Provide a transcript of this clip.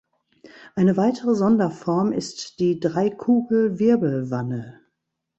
Eine weitere Sonderform ist die Dreikugel-Wirbelwanne.